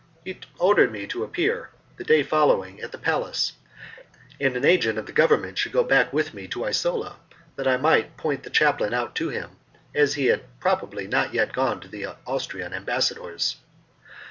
He ordered me to appear, the day following, at the palace, and an agent of the Government should go back with me to Isola that I might point the chaplain out to him, as he had probably not yet gone to the Austrian ambassador's.